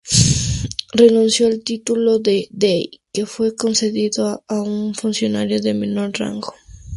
Renunció al título de dey, que fue concedido a un funcionario de menor rango.